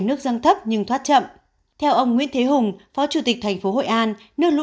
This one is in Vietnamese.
nước dâng thấp nhưng thoát chậm theo ông nguyễn thế hùng phó chủ tịch thành phố hội an lũ